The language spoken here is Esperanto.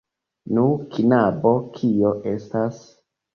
Nu, knabo, kio estas?